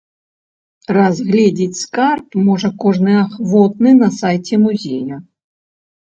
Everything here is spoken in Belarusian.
Разглядзець скарб можа кожны ахвотны на сайце музея.